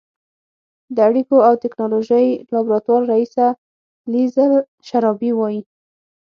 د اړیکو او ټېکنالوژۍ لابراتوار رییسه لیزل شرابي وايي